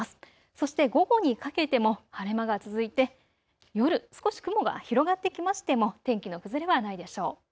そして午後にかけても晴れ間が続いて夜、少し雲が広がってきましても天気の崩れはないでしょう。